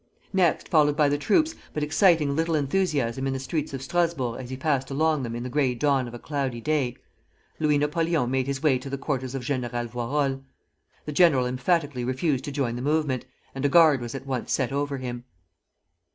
Next, followed by the troops, but exciting little enthusiasm in the streets of Strasburg as he passed along them in the gray dawn of a cloudy day, Louis Napoleon made his way to the quarters of General Voirol. The general emphatically refused to join the movement, and a guard was at once set over him.